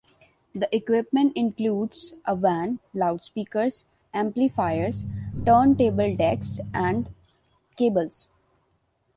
The equipment includes a van, loudspeakers, amplifiers, turntable decks and cables.